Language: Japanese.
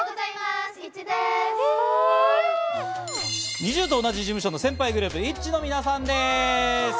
ＮｉｚｉＵと同じ事務所の先輩グループ・ＩＴＺＹの皆さんです。